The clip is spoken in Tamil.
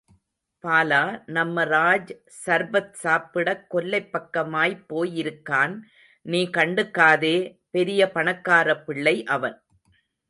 பாலா, நம்ம ராஜ், சர்பத் சாப்பிடக் கொல்லைப் பக்கமாய்ப்போயிருக்கான், நீ கண்டுக்காதே, பெரிய பணக்காரப்பிள்ளை அவன்.